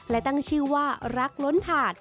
และตั้งชื่อว่ารักล้นถาด